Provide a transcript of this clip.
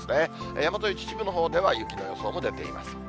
山沿い、秩父のほうでは雪の予想も出ています。